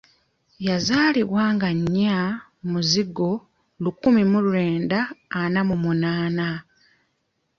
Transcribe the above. Yazaalibwa nga nnya Muzigo lukumi mu lwenda ana mu munnaana.